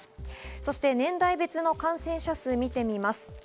そして年代別の感染者数を見てみます。